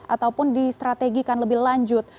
ataupun distrategikan lebih lanjut